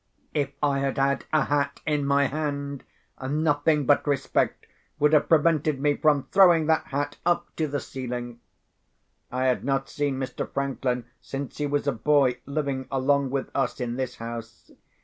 If I had had a hat in my hand, nothing but respect would have prevented me from throwing that hat up to the ceiling. I had not seen Mr. Franklin since he was a boy, living along with us in this house.